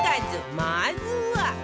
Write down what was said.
まずは